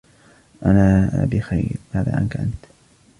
انا بخير ماذا عنك انت ؟